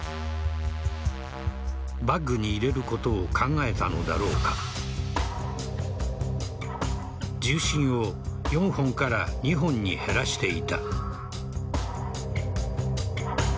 バッグに入れることを考えたのだろうか銃身を４本から２本に減らしていた。